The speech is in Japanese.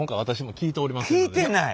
聞いてない。